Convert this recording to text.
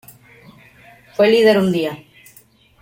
Fue líder un día.